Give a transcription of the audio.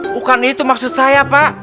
bukan itu maksud saya pak